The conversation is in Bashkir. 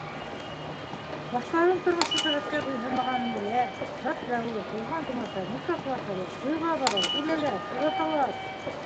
Башҡаларҙың тормошо сәғәткә буйһонмағанын белә: зат- зәүер, туған-тыумаса, никахлашалар, туйға баралар, үләләр, оҙаталар...